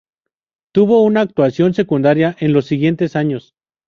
Tuvo una actuación secundaria en los siguientes años.